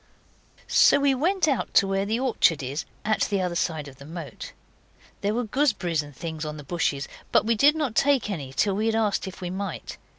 So we went out to where the orchard is, at the other side of the moat. There were gooseberries and things on the bushes, but we did not take any till we had asked if we might.